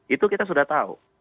itu kita sudah tahu